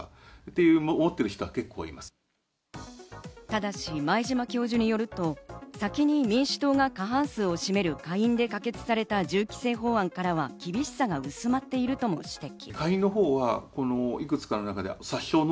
ただし前嶋教授によると、先に民主党が過半数を占める下院で可決された銃規制法案からは、厳しさが薄まっているとも指摘。